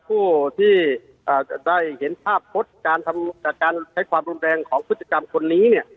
ผู้ที่จะได้เห็นภาพพจน์การทำการใช้ความรุนแรงของพฤติกรรมคนนี้เนี่ย